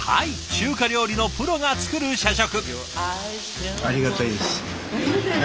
中華料理のプロが作る社食。